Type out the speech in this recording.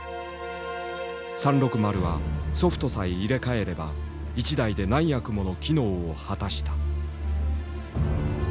「３６０」はソフトさえ入れ替えれば１台で何役もの機能を果たした。